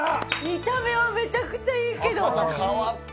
見た目はめちゃくちゃいいけど。